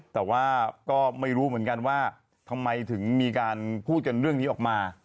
แต่ว่าก็ไม่รู้เหมือนกันว่าทำไมถึงมีการพูดกันเรื่องนี้ออกมา